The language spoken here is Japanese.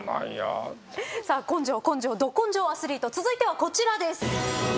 根性根性ど根性アスリート続いてはこちらです。